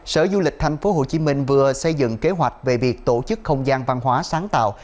sở du lịch tp hcm vừa xây dựng kế hoạch về việc tổ chức không gian văn hóa sáng tạo